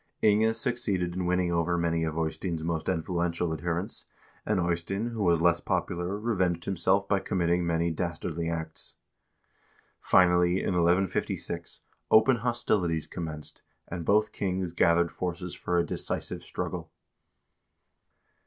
Inge succeeded in winning over many of Eystein's most influential adherents, and Eystein, who was less popular, revenged himself by committing many dastardly acts. Finally, in 1156, open hostilities commenced, and both kings gathered forces for a decisive struggle.